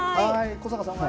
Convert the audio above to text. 小坂さんは？